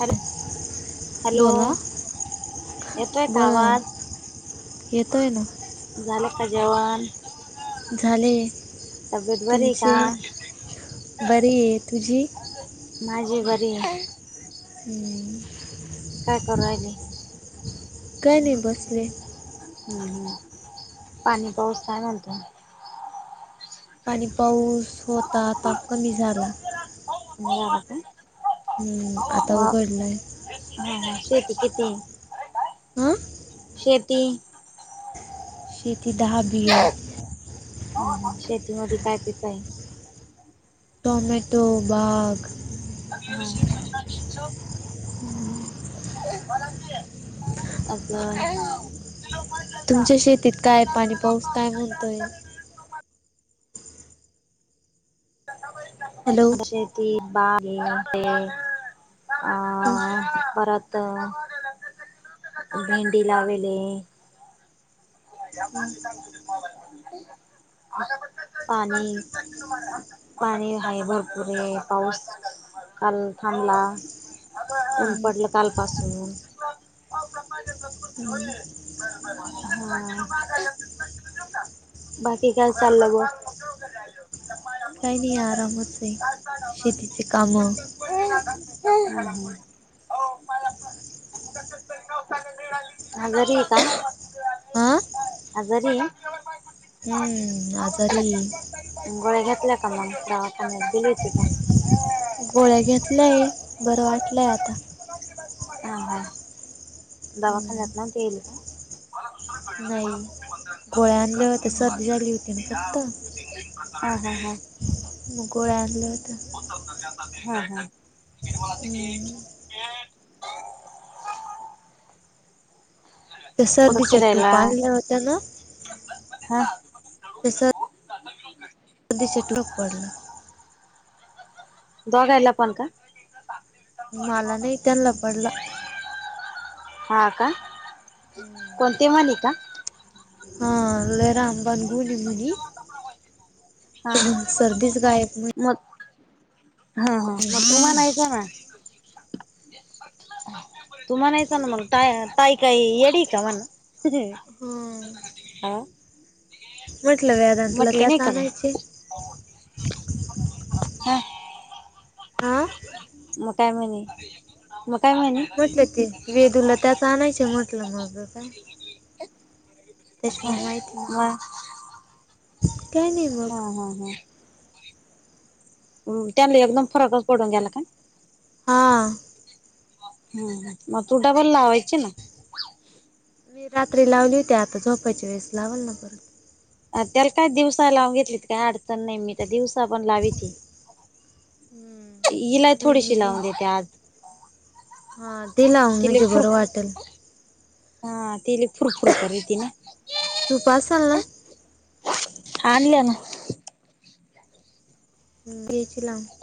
Hello! [inaudible] बोला येतोय का बोला आवाज? ना येतोय ना झालं का जेवण? झाले, तब्येत बरी का तुमचे? बरीय तुझी? माझी बरीय हम्म काय करू राहिली? काय नाही बसले हम्म हम पाणी पाऊस काय म्हणतोय? पाणी पाऊस होता, आता कमी झाला हा का [unintelligible] हम्म आता व उघडलाय हा, हा शेती किती ये? [unintelligible] अ.. शेती- शेती दहा बी आहे. [unintelligible] शेतीमध्ये काय पीक आहे? टोमॅटो, बाग- ह [inaudible] अजून? तुमच्या शेतीत काय? पाणी पाऊस काय म्हणतोय? हॅलो? शेती बाग हं, आहे परत [unintelligible] तर भेंडी लावेलेली आहे. हम [inaudible] पाणी- पाणी आहे भरपूरे पाऊस काल थांबला. उन हं, पडलं कालपासून. हम [inaudible] हा, बाकी काय चालंय मग? काही नाही आरामच आहे, शेतीची काम- हम हा [unintelligible] आजारी आहे का, हां आजारी आहे? हम्म.. आजारी आहे. गोळ्या घेतल्या का मग, दवाखानात गेली होती का? गोळ्या घेतलय, बरं वाटलय आता. हा, हा, हम्म, दवाखान्यात नव्हती गेली? का? नाही, गोळ्या आणल्या होते सर्दी झाली होती ना फक्त. हा हा हा. गोळ्या अजून हायत. हा हा. हम्म. त्या कुठं सर्दीच्या फिरायला? टूब आणल्या होत्या ना- हा. तसं- धचटला पडला [unintelligible] दोघाएला पण का? मला नाही त्यांनला पडल. हा का, कोणती मालिका? हा लराम बनघुनमुनी [unintelligible] [unintelligible] हा, गायब म्हणे तसं म्हणायचं नाय. तु म्हणायच ना मग, ता ताई काई येडी का म्हण- हा. हा [unintelligible] म्हटलं काय नसलं म्हटली नाही त्याच का मग आणायची [unintelligible] हम [inaudible] हा मग काय म्हणे? मग काय म्हने? म्हटलं ते, वेदूला त्याच आणायचे म्हटलं मग काय. हा त्याच्यामुळ माहिती मग हा म्हटलं काय नाही. मग हा हा हा. त्यानले एकदम फरकच पडून गेला का? हा. दम्म म ती डब्बल लावायची ना. मी रात्री लावली होती आता झोपाच्या वेळेस लावल ना परत. अ त्याला काय दिवसा लावून घेतली काही अडचण नाही मी दिवसा पण लावीती. हम्म. ईला नाही मी थोडीशी नाही लावून देते आज. हा ते लावून तिले देजो फुर बरं वाटेल. हा ती लई फुर फुर करती ना. तू. [inaudible] आणल ना. [inaudible]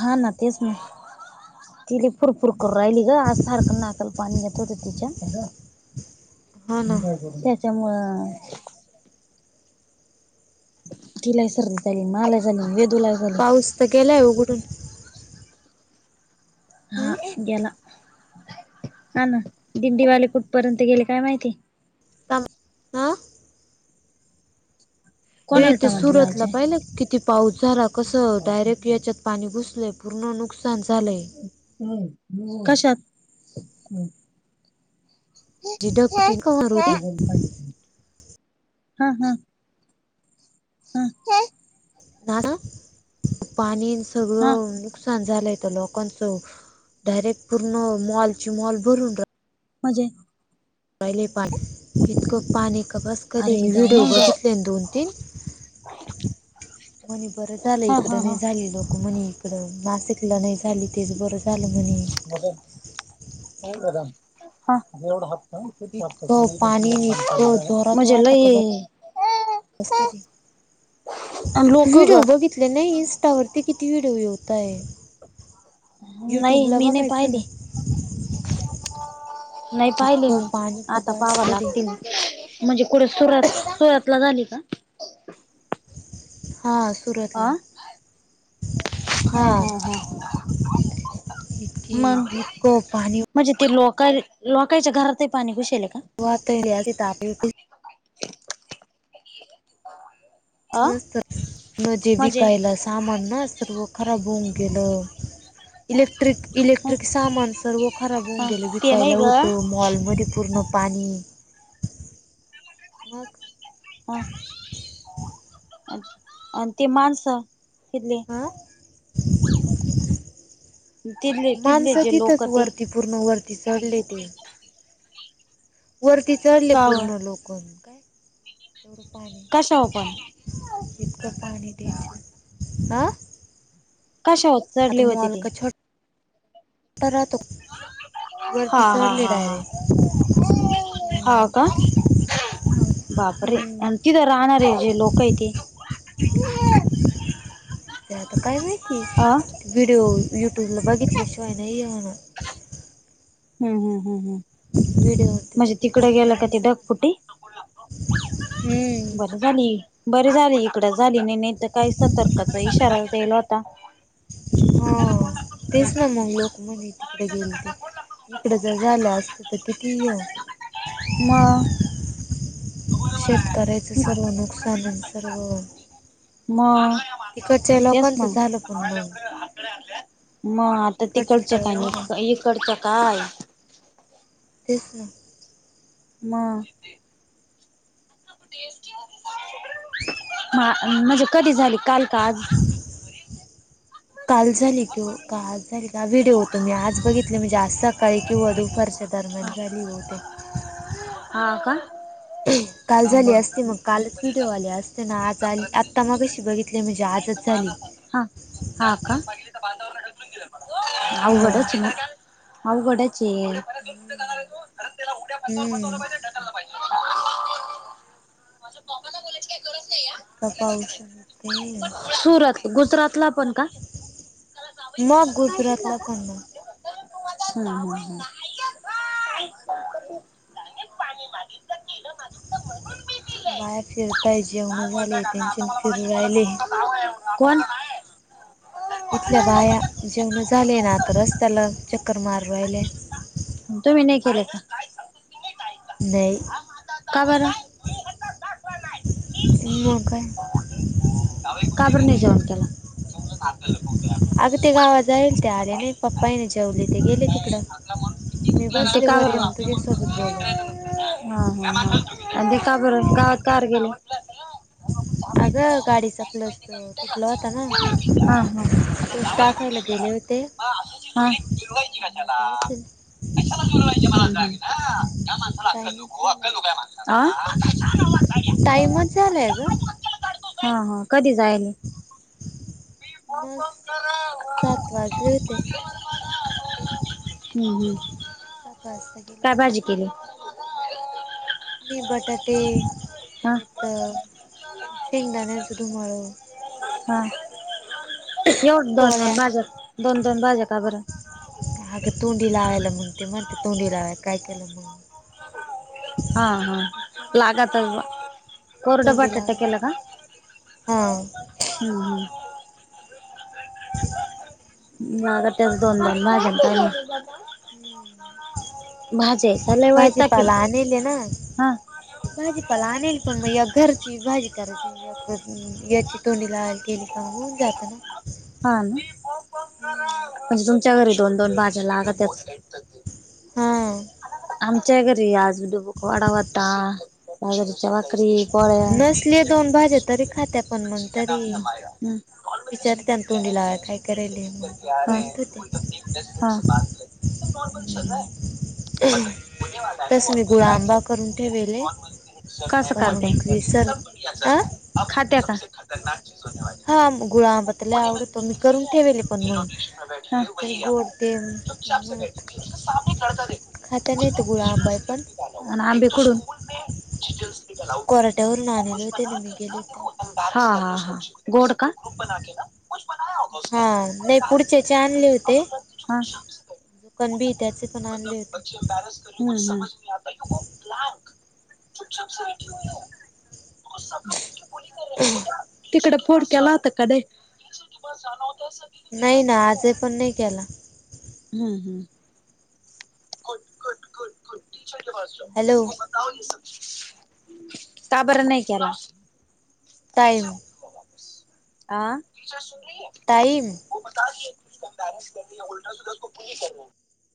हा ना तेच ना. ती लई फुरफुर करू राहिली ग आज सारखं नाकाल पाणी येत होत तिच्या. हा ना त्याच्यामुळं. तिला ही सर्दी झाली माला झाली वेदूला झाली पाऊस तर गेलाय उघडून हा हम्म गेला हा ना दिंडीवाले कुठपर्यंत गेले काय माहिती. थांब हा अय कोणाला ते टमाटे सुरतला लावायचे पाहिलं का किती पाऊस झाला कसं डायरेक्ट याच्यात पाणी घुसलय पूर्ण नुकसान झालेय. कश्यात? हम्म जी हम्म. ढगफुटी का होणार होती [inaudible] हम्म. [inaudible] ना ना पाणी हा सगळं नुकसान झाल होत लोकांच डायरेक्ट पूर्ण मॉल चे मॉल भरून रा तु जा. अय लय पाणी इतकं पाणी का बस कधी अरे मी देवा व्हिडिओ मंग बघितले ना दोन तीन मम्मी बरं झालं हा हा इकडं हा नाही झाली लोक म्ह इकडं नासिकला नाही झाली तेच बरं झालं म्हणे. इतकं पाणी आणि इतकं [unintelligible] [inaudible] म्हणजे लई असतात ते. लोक ग. तिथले नाही इंस्टावरती किती व्हिडिओ येता ये. नाही युट्यूबला मी नाही बघयचं ना. पाहिली नाही पाहिल इतकं मी पाणी का आता बस पाहावं कधी लागतील ना. म्हणजे कुठे सुरात सुरतला झाली का. हा. आ. सुरतला हा हा हा इतकी मगं. इतकं पाणी म्हणजे ते लोका -लोकच्या घरातही पाणी घुशेल आहे का. [inaudible] अ नसतच म जे म्हणजे विकायला सामान ना सर्व खराब होऊन गेलं. इलेक्ट्रिक.... ह इलेक्ट्रिक सामान सर्व खराब होऊन ह गेलं... ते विकायला नाही ग होतं... मॉलमध्ये पूर्ण. पाणी मग. मग... अन... अन ते माणसे तिथले. हां. तिथले तिथले माणसं जे लोक तिथच... ते वरती... पूर्ण वरती चढले ते. वरती चढले काव पूर्ण लोकं... मग काय... एवढं पाणी. कशावर पण इतकं पाणी डेंजर... आं? कशावर. आता चढले होते मॉल ते का छो.... टा राहतो? वरती चढले डायरेक्ट. ह हम्म. का? बापरे... हम्म आणि तिथं राहणारे जे लोक ए ते? ते आता काय माहिती. आं? व्हिडिओ... युट्यूबला बघितल्याशिवाय नई हे होणार. हुं हुं... हुं हुंहुं. व्हिडिओ होते म्हणजे तिकडं गेलं बघितल्याशिवाय का नाही ते समजणार. ढगफुटी... हम्म. बरं. झाली... बरं झाली इकडं झाली नाई.... नाई तर काही सतर्काचा इशारा द्यायला होता. हा... तेच ना मग... लोक म्हनीती. ते गेलते.... इकडं जर झालं असतं तर किती येऊ. मग. शेतकऱ्याचं सर्व नुकसान आणि सर्व. मग तिकडच्या तेच लोकांचं ना झालं पण [unintelligible] मग.. आता इकडचं तिकडचं टळलं ना काय... इकडचं काय? तेच ना. मग. [unintelligible] हा म्हणजे कधी झाली, काल का आज? काल झाली की ओ काल झाली का आज... व्हिडिओ तर मी आज बघितला म्हणजे आज सकाळी. किंवा दुपारच्या दरम्यान झाली हो त्यांची. हा का? काल झाली बर असती मग कालच व्हिडिओ आले असते ना... आज आली... आत्ता मगाशी बघितले म्हणजे आजच झाली. हा हा का? हा अवघडच ए मग... अवघड ए चे. हुं. [unintelligible] इतका पाऊस आणि इतकं हे [unintelligible] सुरत... गुजरातला पण का? मग गुजरातला पण मग. हुं हुं हुं. [unintelligible] बाया फिरताय... जेवणं झालेय त्यांचे... फिरू राहलेय. [unintelligible] कोण? इथल्या बाया. जेवणं झाले ना आता... रस्त्याला चक्कर मारू राहिल्या. तुम्ही नाई गेल्या का? नाही का बरं मग काय. काबणी जेवण केला. अग ते गावात जा येईल ते आले नाही पप्पा नाही. ठेवले ते गेले तिकडं मी आणि ते बसले का वर बरं? हा येऊन तुझ्यासोबत बोोलत. हा हा ह आणि ते का बर गावात कार गेले. अगं गाडी च आपलस तुटला होता ना हा हा. हा. आ? तू्टाखयला गेले होते. ते [unintelligible] हम. ंगात य ठील [unintelligible] कशाला बुरवा्हायच्या मग ना. टाम चालेय टाईम ल ग. हा हा कधी जायल. मस् सातवा घेऊते. हम् ह. सात वाचताग लत तबरपत [unintelligible] चनी बटाटे हा परत शिंगदाणे सुुधू मळव. हा. येव दोन दोन पोळ्या भाज्या दोन दोन भाज्या का बरं. हा का तोंडी लायला म्हग ते म्हणते तोंडी ला काय केलं मग हा हा लागातवा. कोरड तोंडी बटा टा लावायला केला का हा हम् हम. [unintelligible] माग त्याच दोन मण मागे भाजे सलवयता कि भाजीपाला आणले ना हा भाजीपाला आणल पण मैया घरची भाजी करायची. या याची तोंडी ला केली सांगून जातं ना. हा. हम्. म्हणजे तुमच्या घरी दोन दोन भाज्यालाग त्याच हां. आच्या घरीियाजडुबूक वाडा होता. बादरच्या बकरी पळ नसले दोन भाज्या तरी खात्या पण मग तरी हम्. विचारते ना तोंडीला काय करेल मग करत होते. नॉर्मल. तसं मी गुळा आंबा करून ठेवेले पण मग ते सर आ [inaudible] खात्या का. हा गुळाबतला आवडतो मी करून ठेवेल पण मग त्या गोड ते मठ खात नाही ते गुळा पय पण [unintelligible] हा कोराट्यावरून आणले होते ना मी गेले होते हा हा गोड का. ग्रुप बना के ना कु बनाया हा नाही होता पुढच्याचे आणले होते आप शही जो कणबी त्याचे पण आणले होते. रस समज आ य ग्क चुपछपठी स बोल [unintelligible] तिकड फोन केला होता काय नाय? नाही ना आज पण नाही केला. हमम हम. हॅलो का बरं नाही केला? टाईम. आअ.. टाईम. [unintelligible]